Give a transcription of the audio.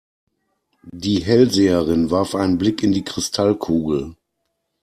Die Hellseherin warf einen Blick in die Kristallkugel.